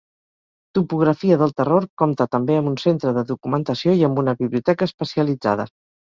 Topografia del Terror compta també amb un centre de documentació i amb una biblioteca especialitzada.